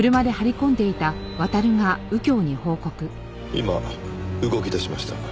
今動き出しました。